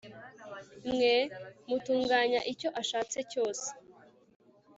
mwe mutunganya icyo ashatse cyose